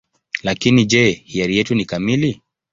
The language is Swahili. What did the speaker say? Lakini je, hiari yetu ni kamili?